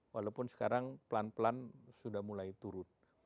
walaupun sekarang pelan pelan sudah mulai turun